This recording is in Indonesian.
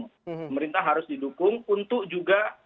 pemerintah harus didukung untuk juga